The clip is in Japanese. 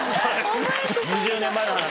２０年前の話。